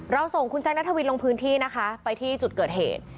ส่งคุณแซคนัทวินลงพื้นที่นะคะไปที่จุดเกิดเหตุ